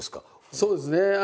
そうですね。